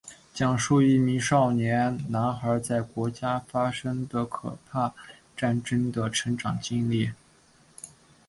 讲述一名少年男孩在国家发生的可怕战争中的成长经历。